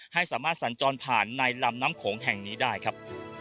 ให้สามารถสัญจรผ่านในลำน้ำโขงแห่งนี้ได้ครับ